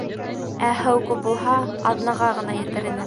Ә һыу, күп булһа, аҙнаға ғына етер ине.